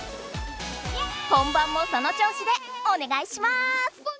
本番もその調子でおねがいします！